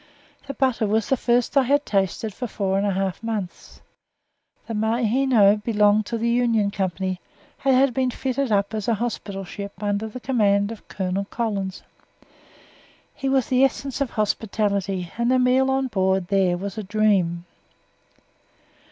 The butter was the first I had tasted for four and a half months. The Maheno belonged to the Union Company, and had been fitted up as a hospital ship under the command of Colonel Collins. He was the essence of hospitality, and a meal on board there was a dream.